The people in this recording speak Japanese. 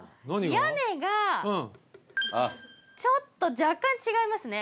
屋根がちょっと若干違いますね